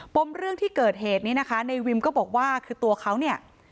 มเรื่องที่เกิดเหตุนี้นะคะในวิมก็บอกว่าคือตัวเขาเนี่ย